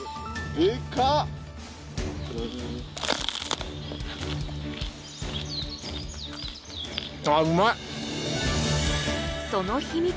あっうまい！